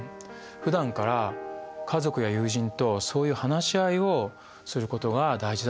ふだんから家族や友人とそういう話し合いをすることが大事だと思います。